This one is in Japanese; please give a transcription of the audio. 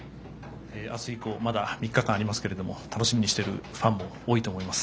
明日以降まだ３日間ありますけれども楽しみにしているファンも多いと思います。